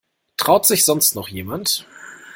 Traut sich sonst noch jemand?